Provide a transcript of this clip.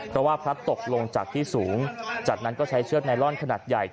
เพราะว่าพลัดตกลงจากที่สูงจากนั้นก็ใช้เชือกไนลอนขนาดใหญ่